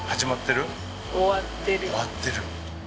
終わってる。